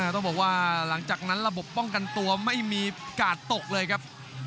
ต้องบอกว่าหลังจากนั้นระบบป้องกันตัวไม่มีกาดตกเลยครับ